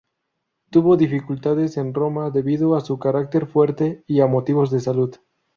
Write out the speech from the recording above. Tuvo dificultades en Roma, debido a su carácter fuerte y a motivos de salud.